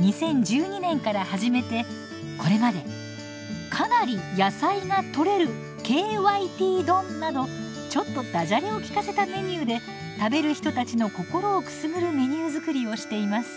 ２０１２年から始めてこれまでかなりやさいがとれるＫＹＴ丼などちょっとダジャレを効かせたメニューで食べる人たちの心をくすぐるメニュー作りをしています。